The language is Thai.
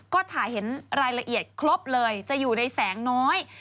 ก็ถ่ายเห็นรายละเอียดครบเลยจะอยู่ในแสงน้อย